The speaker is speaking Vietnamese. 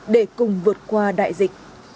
để cùng vượt qua đại dịch